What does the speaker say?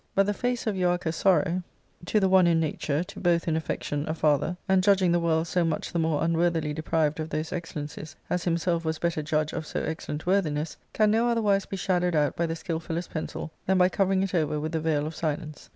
But the face of Euarchus' sorrow, to the * See note, p. 250* ARCADIA,— Book K 449 one in nature, to both in affection a father, and judging the world so much the more unworthily deprived of those ex cellencies as himself was better judge of so excellent worthi ness, can no otherwise be shadowed out by the skilfuUest pencil than by covering it over with the veil of silence.